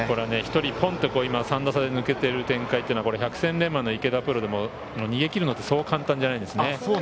１人、ポンっと３打差で抜けている展開というのは百戦錬磨の池田プロでも逃げ切るのはそう簡単じゃないんですね。